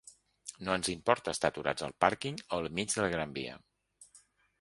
No ens importa estar aturats al pàrquing o al mig de la Gran Via.